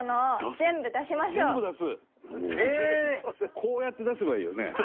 こうやって出せばいいよね。